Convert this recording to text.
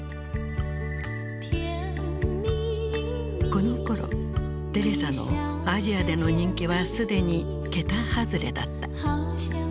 このころテレサのアジアでの人気は既に桁外れだった。